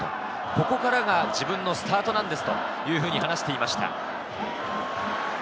ここからが自分のスタートなんですというふうに話していました。